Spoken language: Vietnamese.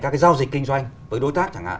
các cái giao dịch kinh doanh với đối tác chẳng hạn